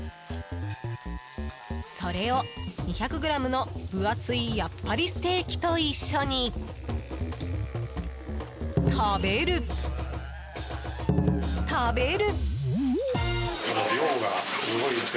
それを２００ｇの分厚いやっぱりステーキと一緒に食べる、食べる！